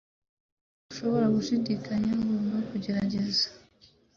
Ntushobora gushidikanya ko ngomba kugerageza